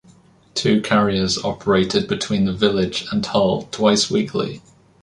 Two carriers operated between the village and Hull twice weekly.